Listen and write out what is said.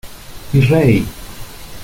¡ mi rey!...